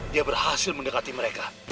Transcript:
dia berhasil mendekati mereka